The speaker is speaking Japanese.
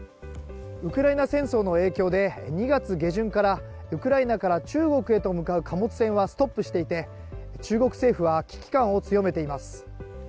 ウクライナ戦争の影響で２月下旬からウクライナから中国へと向かう貨物船はストップしていて中国政府は危機感を強めています。